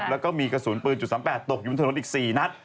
แล้วก็มีกระสุนปืน๓๘ตกอยู่บนถนนอีก๔นัด